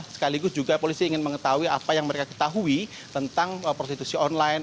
sekaligus juga polisi ingin mengetahui apa yang mereka ketahui tentang prostitusi online